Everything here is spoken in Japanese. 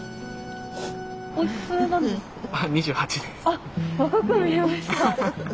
あっ若く見えました。